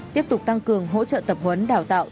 tiếp tục tăng cường hỗ trợ tập huấn đào tạo